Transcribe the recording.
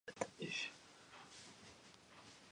Levi was born in Coldwater, Michigan.